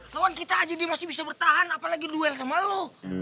lawan kita aja dia masih bisa bertahan apalagi duel sama lo